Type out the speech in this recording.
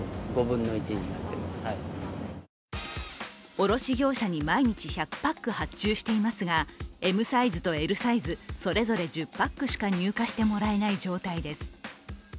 卸売業者に毎日１００パック発注していますが、ＭサイズとＬサイズ、それぞれ１０パックしか入荷してもらえない状態です。